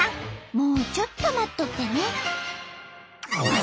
もうちょっと待っとってね。